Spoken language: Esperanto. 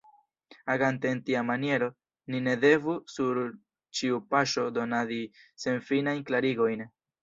Agante en tia maniero, ni ne devu sur ĉiu paŝo donadi senfinajn klarigojn.